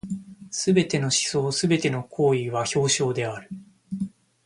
凡すべての思想凡ての行為は表象である。